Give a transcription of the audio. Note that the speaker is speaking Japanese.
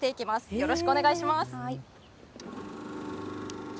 よろしくお願いします。